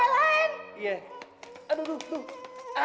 aduh bapak lepasin deh